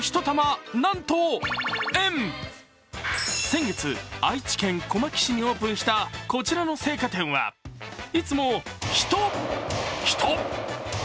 先月、愛知県小牧市にオープンしたこちらの青果店はいつも人、人、人！